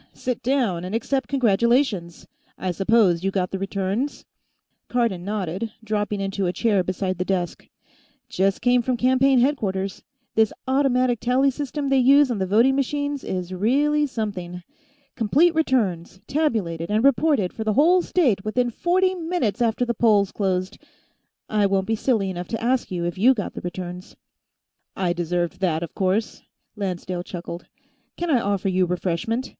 Sit down and accept congratulations! I suppose you got the returns?" Cardon nodded, dropping into a chair beside the desk. "Just came from campaign headquarters. This automatic tally system they use on the voting machines is really something. Complete returns tabulated and reported for the whole state within forty minutes after the polls closed. I won't be silly enough to ask you if you got the returns." "I deserved that, of course," Lancedale chuckled. "Can I offer you refreshment?